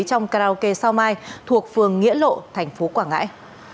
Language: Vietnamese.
trong karaoke sao mai thuộc phường nghĩa lộ thành phố quảng ngãi